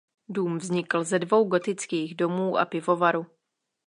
Dům vznikl ze dvou gotických domů a pivovaru.